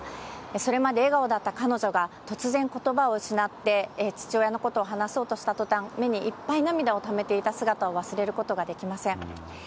それまで笑顔だった彼女が突然、ことばを失って、父親のことを話そうとしたとたん、目にいっぱい涙をためていた姿を忘れることができません。